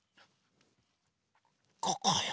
ここよ。